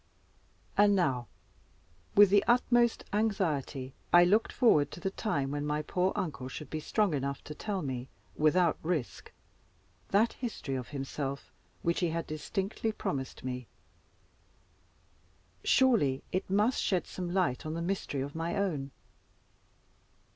And now, with the utmost anxiety, I looked forward to the time when my poor uncle should be strong enough to tell me, without risk, that history of himself which he had distinctly promised me. Surely it must shed some light on the mystery of my own.